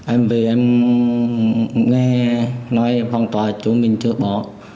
em về em nghe nói phong tỏa chỗ mình chưa bỏ